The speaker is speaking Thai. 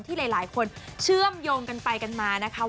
หลายคนเชื่อมโยงกันไปกันมานะคะว่า